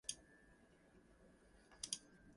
The master is seen right from the beginning.